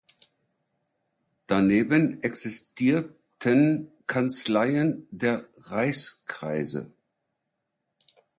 Daneben existierten Kanzleien der Reichskreise.